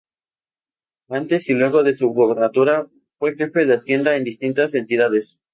Antes y luego de su gubernatura, fue Jefe de Hacienda en distintas entidades.